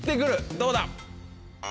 どうだ？